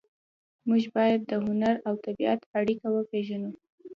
موږ باید د هنر او طبیعت اړیکه وپېژنو